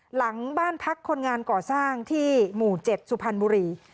หลังบ้านพักคนงานก่อสร้างที่หมู่๗สุพรรณบุรี